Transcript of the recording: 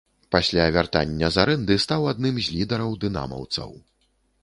Пасля вяртання з арэнды стаў адным з лідараў дынамаўцаў.